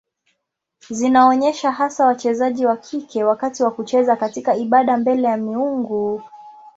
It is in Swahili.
Zinaonyesha hasa wachezaji wa kike wakati wa kucheza katika ibada mbele ya miungu.